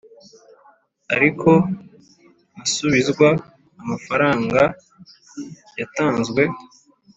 ariko ntasubizwa amafranga yatanzwe.